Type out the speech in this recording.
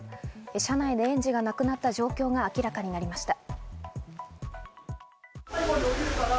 車内で園児が亡くなった状況が明らかになりました。